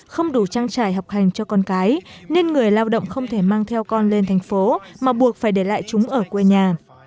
không đủ trang trải học hành cho con cái nên người lao động không thể mang theo con lên thành phố mà buộc phải để lại chúng ở quê nhà